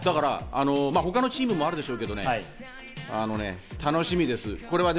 他のチームもあるでしょうけれども、楽しみです。